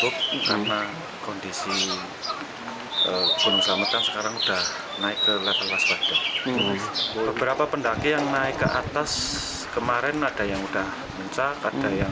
beberapa pendagian naik ke atas kemarin ada yang sudah mencak